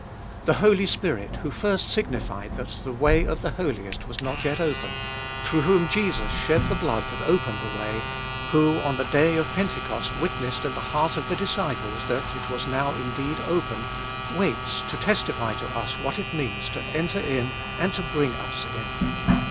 The Holy Spirit, who first signified that the way of the Holiest was not yet open ; through whom Jesus shed the blood that opened the way; who, on the day of Pentecost, witnessed in the heart of the disciples, that it was now indeed open ; waits to testify to us what it means to enter in and to bring us in.